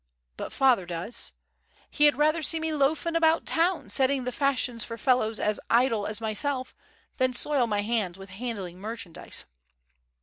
But father does. He had rather see me loafing about town setting the fashions for fellows as idle as myself than soil my hands with handling merchandise.